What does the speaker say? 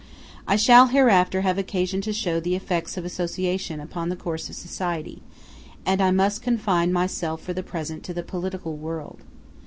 I shall hereafter have occasion to show the effects of association upon the course of society, and I must confine myself for the present to the political world.